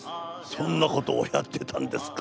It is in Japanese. そんなことをやってたんですか？